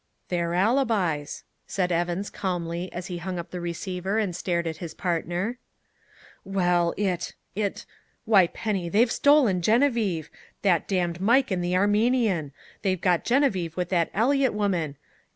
"Their alibis!" said Evans calmly, as he hung up the receiver and stared at his partner. "Well, it it Why, Penny, they've stolen Geneviève! That damned Mike and the Armenian! They've got Geneviève with that Eliot woman!